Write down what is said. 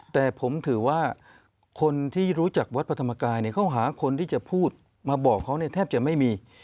แต่ผมถือว่าคนที่รู้จักวัดพระธรรมกายเขาหาคนที่จะพูดมาบอกเขาเนี่ยแทบจะไม่มี